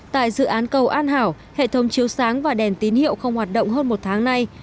tại dự án cầu an hảo hệ thống chiếu sáng và đèn tín hiệu không hoạt động hơn một tháng nay